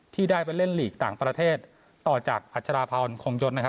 ที่ได้ไปเล่นหลีกต่างประเทศต่อจากพัชราพรคงยศนะครับ